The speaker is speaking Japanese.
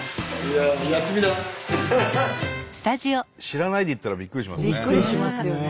知らないで行ったらびっくりしますね。